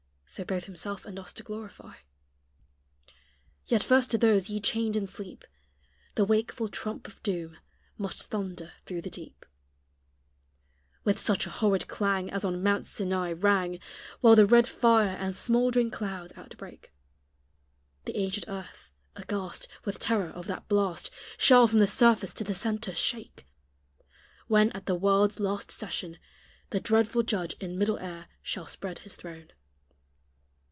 So both Himself and us to glorify. Yet first to those ye chained in sleep The wakeful trump of doom must thunder through the deep, With such a horrid clang As on Mount Sinai rang, While the red fire and smould'ring clouds out brake; The aged earth, aghast With terror of that blast, Shall from the surface to the centre shake When, at the world's last session, The dreadful judge in middle air shall spread his throne.